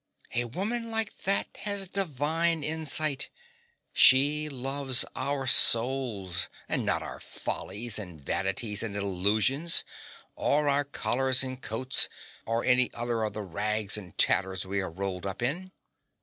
A woman like that has divine insight: she loves our souls, and not our follies and vanities and illusions, or our collars and coats, or any other of the rags and tatters we are rolled up in.